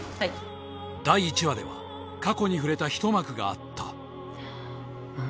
第１話では過去に触れた一幕があったまあ